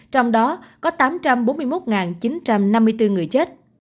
trong đó có tám trăm bốn mươi một chín trăm năm mươi bốn người chết